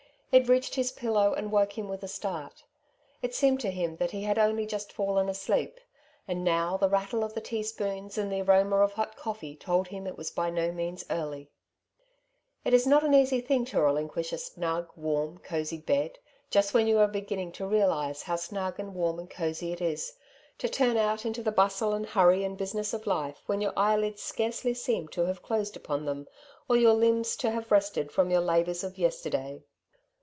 It reached his pillow, and woke him with a start. It seemed to him that he had only just fallen asleep ; and now the rattle of the tea spoons, and the aroma of hot coffee, told him it was by no means early. It is not an easy thing to relinquish a snug, warm, cozy bed just when you are beginning to realize how snug and warm and cozy it is — ^to turn out into the bustle and hurry and business of life when your eyelids scarcely seem to have closed upon Temptation, 117 ttem, or your limbs to have rested from your labours of yesterday.